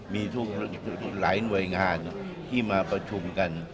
มีทุกหน่วยงานที่มาประชุมกัน